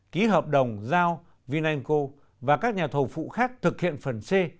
ký hợp đồng giao vinanco và các nhà thầu phụ khác thực hiện phần c